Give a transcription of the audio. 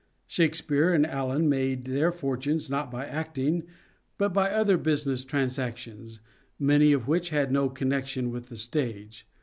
Shakespeare and Alleyne made their fortunes not by acting, but by other business transactions, many of which had no connection with the stage.